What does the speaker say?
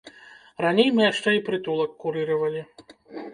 Раней мы яшчэ і прытулак курыравалі.